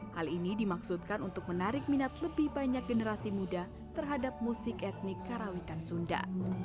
hal ini dimaksudkan untuk menarik minat lebih banyak generasi muda terhadap musik etnik karawitan sunda